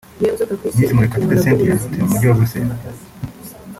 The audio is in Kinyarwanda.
Miss Murekatete Cynthia atuye mu Mujyi wa Buruseli